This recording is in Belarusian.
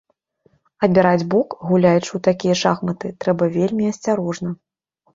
Абіраць бок, гуляючы ў такія шахматы, трэба вельмі асцярожна.